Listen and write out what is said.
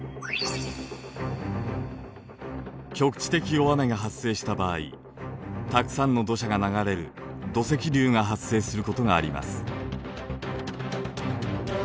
局地的大雨が発生した場合たくさんの土砂が流れる土石流が発生することがあります。